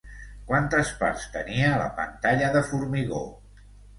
Quantes parts tenia la pantalla de formigó?